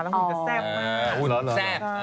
แล้วมันจะแซ่บมาก